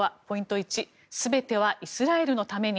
１全てはイスラエルのために。